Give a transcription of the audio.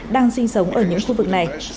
đang sinh sống ở những khu vực này